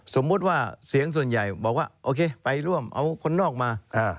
สมมุติว่าเสียงส่วนใหญ่บอกว่าโอเคไปร่วมเอาคนนอกมา